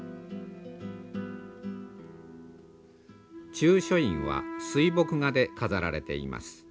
中書院は水墨画で飾られています。